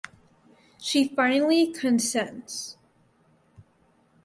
She finally consents.